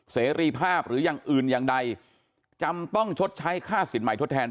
เสรีภาพหรืออย่างอื่นอย่างใดจำต้องชดใช้ค่าสินใหม่ทดแทน